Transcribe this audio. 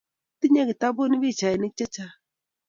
Tinye kitatabuni pichainik chechang